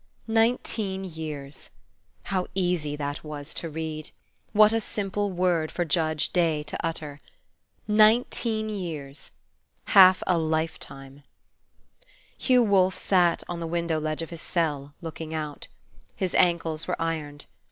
Nineteen years! How easy that was to read! What a simple word for Judge Day to utter! Nineteen years! Half a lifetime! Hugh Wolfe sat on the window ledge of his cell, looking out. His ankles Were ironed.